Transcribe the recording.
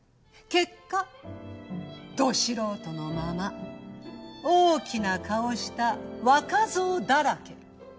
結果ど素人のまま大きな顔した若造だらけ。